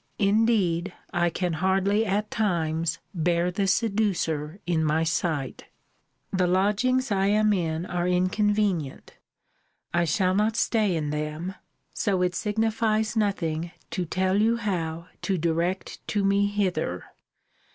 Indeed, I can hardly, at times, bear the seducer in my sight. The lodgings I am in are inconvenient. I shall not stay in them: so it signifies nothing to tell you how to direct to me hither.